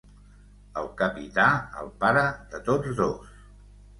El capità, el pare de tots dos.